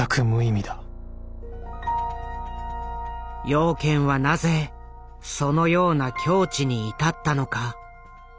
養賢はなぜそのような境地に至ったのか。